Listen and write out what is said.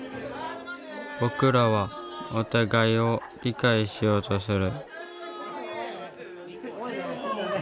僕らはお互いを理解しようとする。